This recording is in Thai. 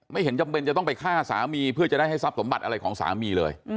ไม่เห็นจำเป็นจะต้องไปฆ่าสามีเพื่อจะได้ให้ทรัพย์สมบัติอะไรของสามีเลย